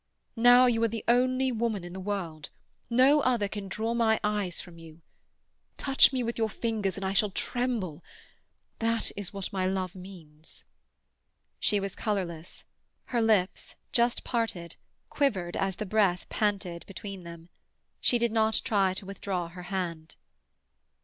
Now you are the one woman in the world; no other can draw my eyes from you. Touch me with your fingers and I shall tremble—that is what my love means." She was colourless; her lips, just parted, quivered as the breath panted between them. She did not try to withdraw her hand.